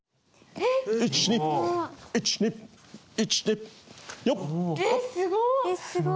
えっすごい。